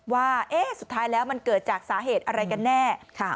ว่าสุดท้ายแล้วมันเกิดจากสาเหตุอะไรกันแน่